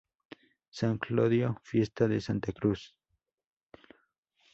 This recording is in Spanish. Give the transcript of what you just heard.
San Clodio: fiesta de la Santa Cruz.